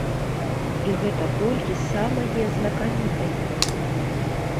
І гэта толькі самае знакамітае.